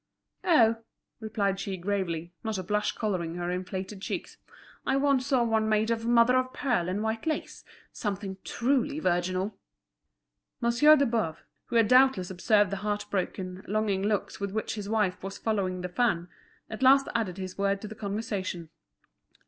"Oh," replied she, gravely, not a blush colouring her inflated cheeks, "I once saw one made of mother of pearl and white lace. Something truly virginal!" Monsieur de Boves, who had doubtless observed the heart broken, longing looks with which his wife was following the fan, at last added his word to the conversation.